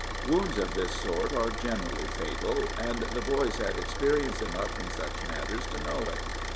Wounds of this sort are generally fatal, and the boys had experience enough in such matters to know it.